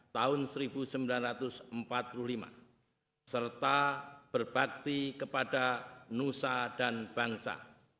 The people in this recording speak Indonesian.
dan berbakti kepada nusa dan bangsa